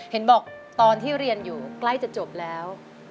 เห็นบอกตอนที่เรียนอยู่ใกล้จะจบแล้ว